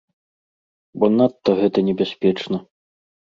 Бо надта гэта небяспечна.